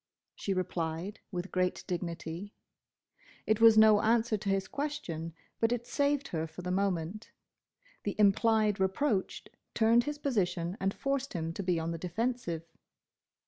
she replied, with great dignity. It was no answer to his question, but it saved her for the moment. The implied reproach turned his position and forced him to be on the defensive.